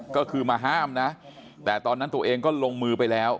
ก็คือมาห้ามนะแต่ตอนนั้นตัวเองก็ลงมือไปแล้ว